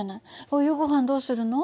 お夕ごはんどうするの？